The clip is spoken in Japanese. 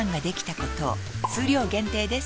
数量限定です